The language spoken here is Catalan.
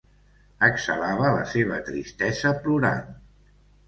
Exhalava la seva tristesa plorant.